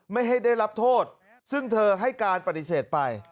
ไม่ให้ได้รับโทษซึ่งเธอให้การปฏิเสธไป